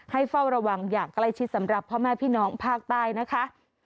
เฝ้าระวังอย่างใกล้ชิดสำหรับพ่อแม่พี่น้องภาคใต้นะคะ